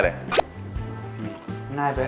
ง่าย